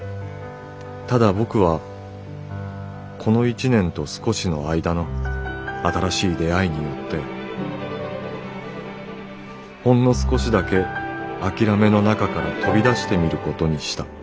ただ僕はこの一年と少しの間の新しい出会いによってほんの少しだけ諦めの中から飛びだしてみることにした」。